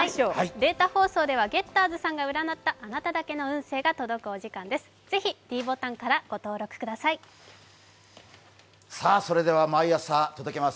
データ放送ではゲッターズさんが占ったあなただけの運勢が届くお時間です。